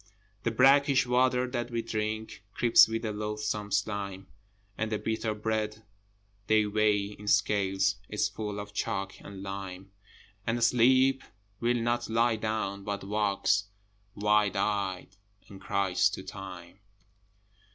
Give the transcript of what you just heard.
The brackish water that we drink Creeps with a loathsome slime, And the bitter bread they weigh in scales Is full of chalk and lime, And Sleep will not lie down, but walks Wild eyed and cries to Time.